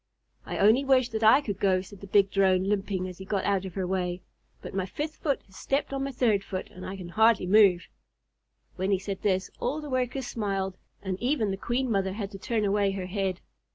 "I only wish that I could go," said the big Drone, limping as he got out of her way; "but my fifth foot just stepped on my third foot, and I can hardly move." When he said this, all the Workers smiled, and even the Queen Mother had to turn away her head.